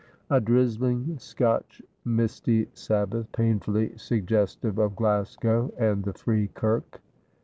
A drizzling Scotch misty Sabbath, painfully suggestive of Glasgow and the Free Kirk.